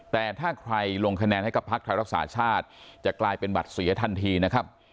แต่ถ้าใครลงคะแนนให้กับพักไทยรักษาชาติจะกลายเป็นบัตรเสียทันทีนะครับ